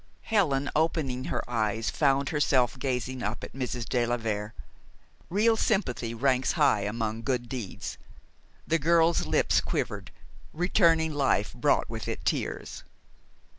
Helen, opening her eyes, found herself gazing up at Mrs. de la Vere. Real sympathy ranks high among good deeds. The girl's lips quivered. Returning life brought with it tears.